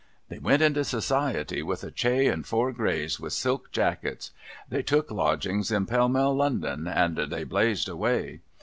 They went into Society, in a chay and four grays with silk jackets. They took lodgings in Pall Mall, London, and they blazed away.